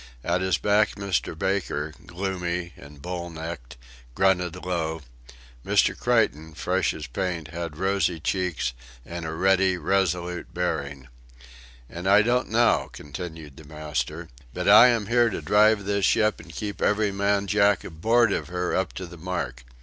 At his back Mr. Baker, gloomy and bull necked, grunted low; Mr. Creighton, fresh as paint, had rosy cheeks and a ready, resolute bearing. "And I don't now," continued the master; "but I am here to drive this ship and keep every man jack aboard of her up to the mark.